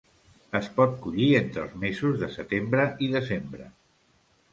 Es pot collir entre els mesos de setembre i desembre.